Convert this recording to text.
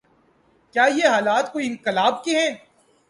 یہاں حالات کوئی انقلاب کے ہیں؟